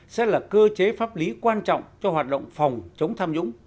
sẽ là cơ chế pháp lý quan trọng cho hoạt động phòng chống tham nhũng